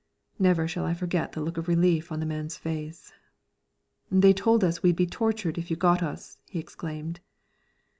Never shall I forget the look of relief on the man's face. "They told us we'd be tortured if you got us!" he exclaimed.